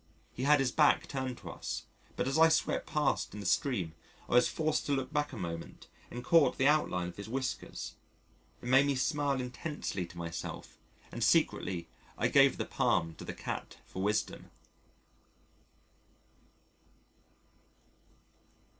He had his back turned to us, but as I swept past in the stream, I was forced to look back a moment, and caught the outline of his whiskers it made me smile intensely to myself and secretly I gave the palm to the cat for wisdom.